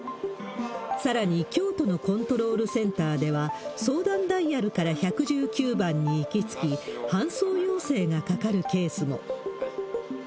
さらに、京都のコントロールセンターでは、相談ダイヤルから１１９番に行きつき、搬送要請がかかるケースも。